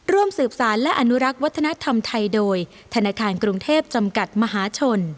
ร่วมสืบสารและอนุรักษ์วัฒนธรรมไทยโดยธนาคารกรุงเทพจำกัดมหาชน